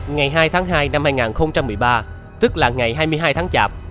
ngày hai tháng hai năm hai nghìn một mươi ba tức là ngày hai mươi hai tháng chạp